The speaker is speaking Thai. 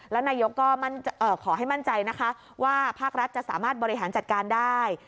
แล้วนายกก็ขอให้มั่นใจนะคะว่าภาครัฐจะสามารถบริหารจัดการได้